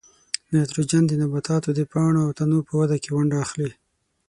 نایتروجن د نباتاتو د پاڼو او تنو په وده کې ونډه اخلي.